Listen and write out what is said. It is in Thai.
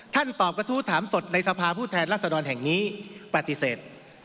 ท่านตอบกระทู้ถามสดในสภาพผู้แทนลักษณ์ลักษณ์แห่งนี้ปฏิเสธ